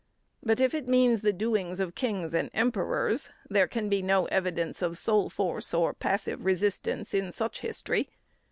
But if it means the doings of kings and emperors, there can be no evidence of soul force or passive resistance in such history.